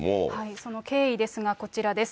その経緯ですが、こちらです。